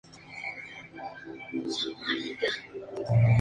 De la Asociación Cultural de Langa del Castillo.